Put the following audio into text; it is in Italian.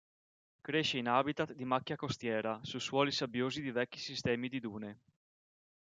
Cresce in habitat di macchia costiera, su suoli sabbiosi di vecchi sistemi di dune.